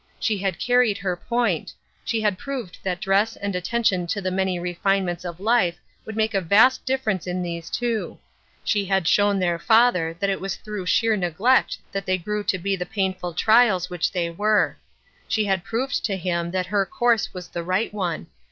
She had carried her point ; she had proved that dress and attention to the many refinements of life would make a vast difference in these two ; she had shown their father that it was through sheer neglect that they grew to be 414 Uuth Er skilled Crosse9^ the painful trials which they were ; she had proved to him that her course was the right one.